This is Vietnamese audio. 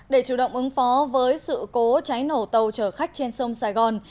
để chủ động ứng phó với sự cố cháy nổ tàu chở khách trên sông sài gòn